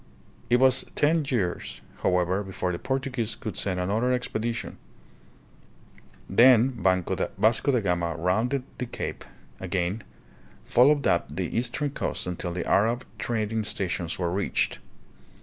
It was ten years, however, before the Portuguese could send another expedition. Then Vasco da Gama rounded the cape again, followed up the eastern coast until the Arab trad ing stations were reached.